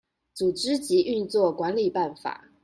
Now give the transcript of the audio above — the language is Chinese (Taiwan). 組織及運作管理辦法